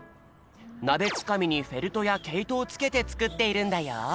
なべつかみにフェルトやけいとをつけてつくっているんだよ。